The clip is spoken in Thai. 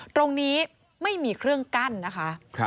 ตรงนี้ไม่มีเครื่องกั้นนะคะ